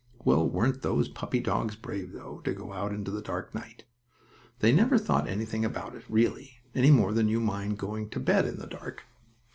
Well, weren't those puppy dogs brave, though, to go out in the dark night? They never thought anything about it, really; any more than you mind going to bed in the dark.